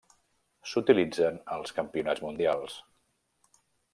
S'utilitzen als campionats mundials.